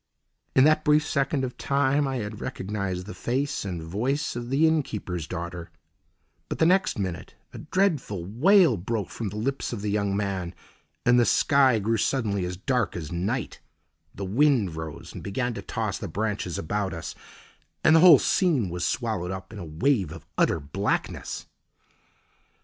In that brief second of time I had recognised the face and voice of the inn keeper's daughter, but the next minute a dreadful wail broke from the lips of the young man, and the sky grew suddenly as dark as night, the wind rose and began to toss the branches about us, and the whole scene was swallowed up in a wave of utter blackness.